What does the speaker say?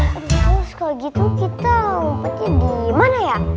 kalau gitu kita umpetnya di mana ya